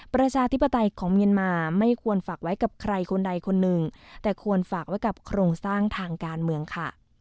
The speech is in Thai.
ประชาธิปไตยของเมียนมาไม่ควรฝากไว้กับใครคนใดคนหนึ่งแต่ควรฝากไว้กับโครงสร้างทางการเมืองค่ะ